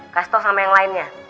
kastos sama yang lainnya